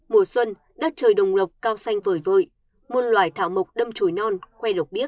mùa xuân đất trời đồng lộc cao xanh vời vời môn loài thảo mộc đâm trồi non khoe lục biếc